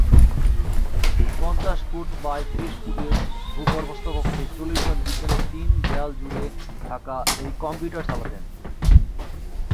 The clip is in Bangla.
পঞ্চাশ ফুট বাই ত্রিশ ফুটের ভূ-গর্ভস্থ কক্ষে চল্লিশ জন বিজ্ঞানী তিন দেয়াল জুড়ে থাকা এই কম্পিউটার চালাতেন।